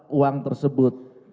harus dianggap uang tersebut